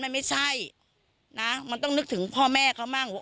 มันไม่ใช่นะมันต้องนึกถึงพ่อแม่เขามั่งว่า